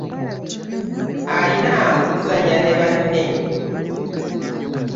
Alina okuzannya ne banne.